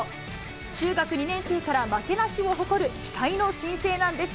中学２年生から負けなしを誇る期待の新星なんです。